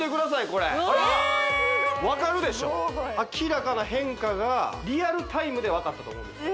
これえっわかるでしょ明らかな変化がリアルタイムでわかったと思うんです